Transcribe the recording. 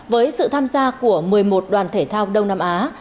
với sự tham gia của một mươi một đoàn thể thao đông nam á